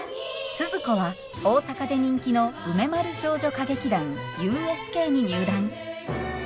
スズ子は大阪で人気の梅丸少女歌劇団ＵＳＫに入団。